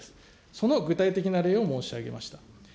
その具体的な例を申し上げました。